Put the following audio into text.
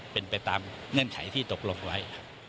เป็นไปตามเงื่อนไขที่ตกลงไว้